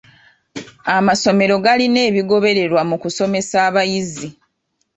Amasomero galina ebigobererwa mu kusomesa abayizi.